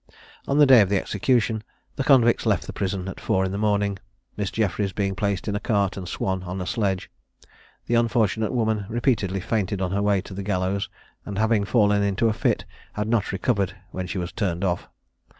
On the day of execution the convicts left the prison at four in the morning, Miss Jeffries being placed in a cart and Swan on a sledge. The unfortunate woman repeatedly fainted on her way to the gallows; and having fallen into a fit, had not recovered when she was turned off.